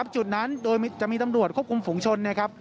จุดนั้นโดยที่จะมีตำรวจควบคุมฝูงชน